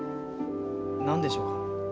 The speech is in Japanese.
何でしょうか。